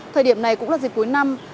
thời điểm này cũng là dịp cuối năm